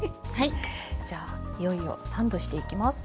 じゃあいよいよサンドしていきます。